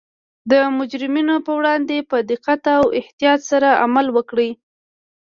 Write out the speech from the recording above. د مجرمینو پر وړاندې په دقت او احتیاط سره عمل وکړي